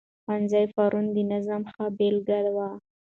ښوونځي پرون د نظم ښه بېلګه وه.